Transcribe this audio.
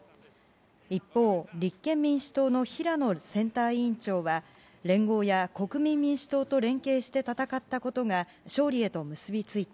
一方、立憲民主党の平野選対委員長は連合や国民民主党と連携して戦ったことが勝利へと結びついた。